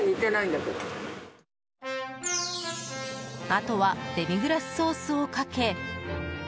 あとはデミグラスソースをかけ。